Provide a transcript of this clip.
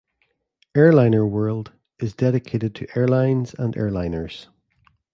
"Airliner World" is dedicated to airlines and airliners.